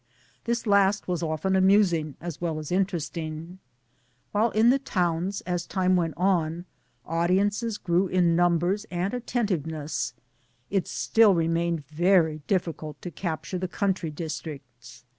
This last was often amusing as well as interesting. iWhile, in the towns, as time went on, audiences grew in numbers and attentiveness, it still remained very difficult to capture the country districts.